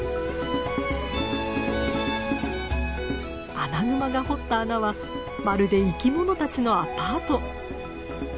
アナグマが掘った穴はまるで生きものたちのアパート。